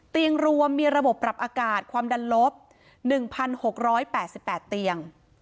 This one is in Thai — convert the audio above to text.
เตียงรวมมีระบบปรับอากาศความดันลบ๑๖๘๘เตียง